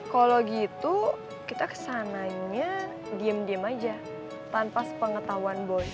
kalau gitu kita kesananya diem diem aja tanpa sepengetahuan bos